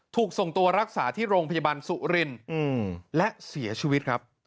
ถูกส่งตัวรักษาที่โรงพยาบาลสุรินและเสียชีวิตครับ